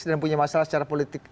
dan punya masalah secara politik